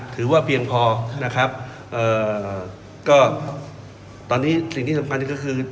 ถือว่าเพียงพอนะครับเอ่อก็ตอนนี้สิ่งที่สำคัญก็คือ